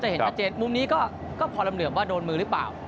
เห็นชัดเจนมุมนี้ก็พอลำเหลือบว่าโดนมือหรือเปล่า